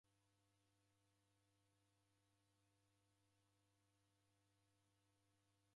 W'ana w'iseshomie w'afeli shuu.